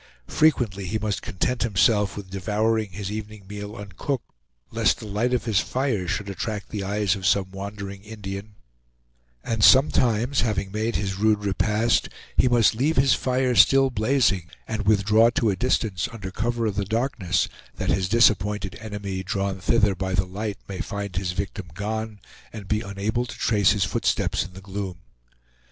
Frequently he must content himself with devouring his evening meal uncooked, lest the light of his fire should attract the eyes of some wandering Indian; and sometimes having made his rude repast, he must leave his fire still blazing, and withdraw to a distance under cover of the darkness, that his disappointed enemy, drawn thither by the light, may find his victim gone, and be unable to trace his footsteps in the gloom.